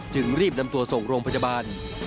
จึงรีบนำตัวส่งโรงพยาบาล